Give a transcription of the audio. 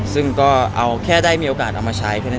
ซึ่งก็เอาแค่ได้มีโอกาสเอามาใช้แค่นั้น